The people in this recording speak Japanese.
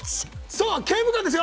そう刑務官ですよ！